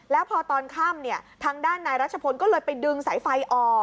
แล้วพอตอนค่ำทางด้านนายรัชพลก็เลยไปดึงสายไฟออก